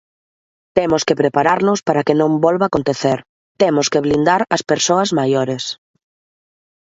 Temos que prepararnos para que non volva acontecer, temos que blindar as persoas maiores.